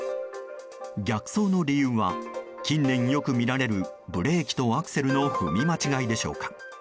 逆走の理由は近年よく見られるブレーキとアクセルの踏み間違いでしょうか？